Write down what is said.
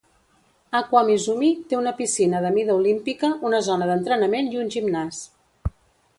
Aqua Misumi té una piscina de mida olímpica, una zona d'entrenament i un gimnàs.